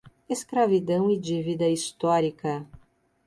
Escravidão e dívida histórica